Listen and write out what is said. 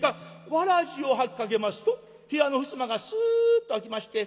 わらじを履きかけますと部屋のふすまがスッと開きまして。